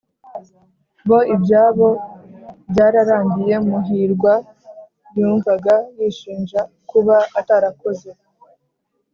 bo ibyabo byararangiye." muhirwa yumvaga yishinja kuba atarakoze